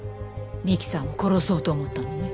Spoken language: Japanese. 美希さんを殺そうと思ったのね。